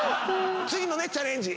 次のねチャレンジ